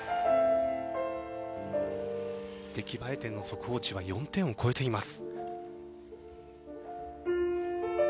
出来栄え点の速報値は４点を超えています。